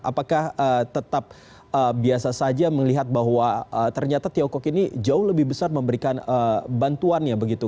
apakah tetap biasa saja melihat bahwa ternyata tiongkok ini jauh lebih besar memberikan bantuannya begitu